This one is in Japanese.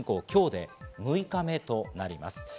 今日で６日目となります。